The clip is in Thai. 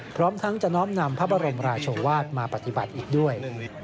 พร้อมทั้งจะน้อมนำพระบรมราชวาสมาปฏิบัติอีกด้วย